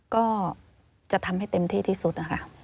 ก็จะทำให้เต็มที่ที่สุดนะคะ